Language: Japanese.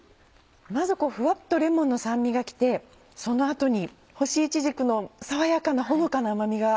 まずふわっとレモンの酸味が来てその後に干しいちじくの爽やかなほのかな甘味が。